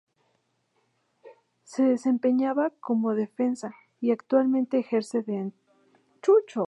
Se desempeñaba como defensa y actualmente ejerce de entrenador.